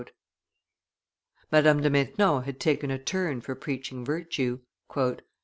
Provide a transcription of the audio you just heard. Madame de Maintenon had taken a turn for preaching virtue.